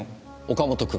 岡本君？